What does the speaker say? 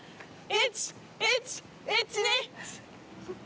１１１２。